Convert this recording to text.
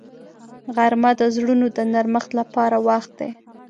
غرمه د زړونو د نرمښت لپاره وخت دی